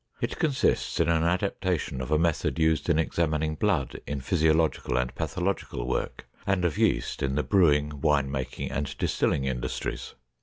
It consists in an adaptation of a method used in examining blood in physiological and pathological work, and of yeast in the brewing, wine making, and distilling industries.